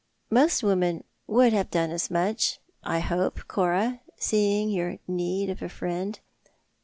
"Most women would have done as much, I hope, Cora, seeing your need of a friend.